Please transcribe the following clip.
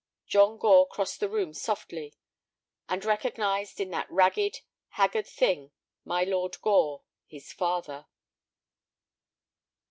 John Gore crossed the room softly, and recognized in that ragged, haggard thing my Lord Gore—his father.